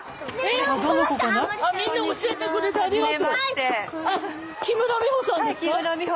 みんな教えてくれてありがとう。